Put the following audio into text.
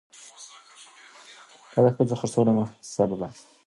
دا د ښځو د خرڅولو مهذبه بڼه ده.